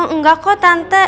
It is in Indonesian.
enggak kok tante